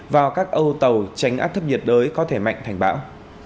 vào các âu tàu tránh áp thấp nhiệt đới có thể mạnh thành bão